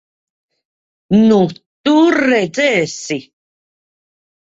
Nu, tu redzēsi!